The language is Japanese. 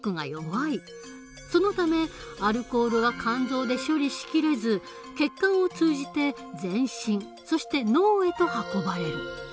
そのためアルコールは肝臓で処理しきれず血管を通じて全身そして脳へと運ばれる。